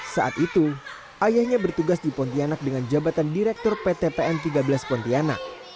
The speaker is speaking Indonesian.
saat itu ayahnya bertugas di pontianak dengan jabatan direktur pt pn tiga belas pontianak